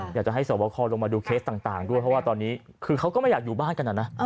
อยากจะให้สวบคอลงมาดูเคสต่างด้วยเพราะว่าตอนนี้คือเขาก็ไม่อยากอยู่บ้านกันนะ